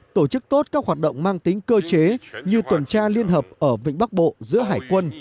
tổ chức tốt các hoạt động mang tính cơ chế như tuần tra liên hợp ở vịnh bắc bộ giữa hải quân